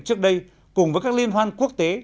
trước đây cùng với các liên hoan quốc tế